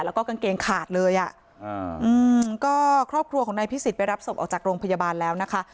แล้วก็กางเกงขาดเลยอ่ะอืมก็ครอบครัวของนายพิสิทธิไปรับศพออกจากโรงพยาบาลแล้วนะคะ